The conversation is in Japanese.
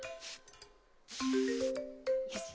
よし。